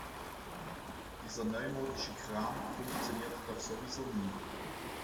Dieser neumodische Kram funktioniert doch sowieso nie.